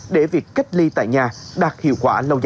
để việc cách ly tại nhà đạt hiệu quả lâu dài